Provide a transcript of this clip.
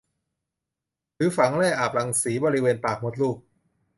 หรือฝังแร่อาบรังสีบริเวณปากมดลูก